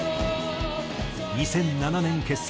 ２００７年結成。